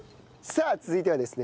さあ続いてはですね